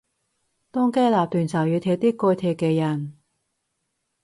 當機立斷就要踢啲該踢嘅人